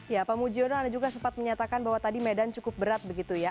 ya pak mujiono anda juga sempat menyatakan bahwa tadi medan cukup berat begitu ya